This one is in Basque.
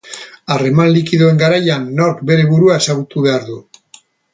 Harreman likidoen garaian, nork bere burua ezagutu behar du.